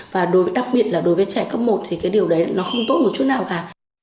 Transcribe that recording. và đặc biệt là đối với trẻ cấp một thì cái điều đấy nó không tốt một chút nào cả